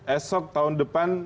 esok tahun depan